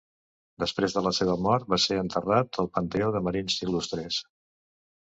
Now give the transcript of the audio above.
Després de la seva mort va ser enterrat al Panteó de Marins Il·lustres.